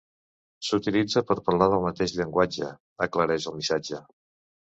S'utilitza per parlar del mateix llenguatge, aclareix el missatge.